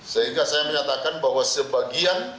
sehingga saya menyatakan bahwa sebagian